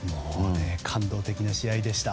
感動的な試合でした。